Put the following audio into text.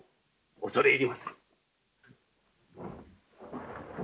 恐れ入ります。